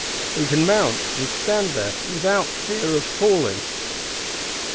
We can mount, and stand there, without fear of falling.